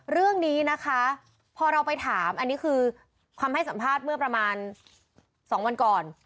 เรื่องนี้นะคะพอเราไปถามอันนี้คือคำให้สัมภาษณ์เมื่อประมาณ๒วันก่อน